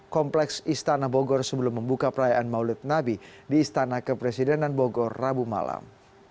kompleks istana bogor sebelum membuka perayaan maulid nabi di istana kepresidenan bogor rabu malam